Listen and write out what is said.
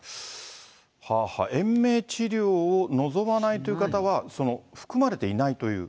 延命治療を望まないという方は、含まれていないという。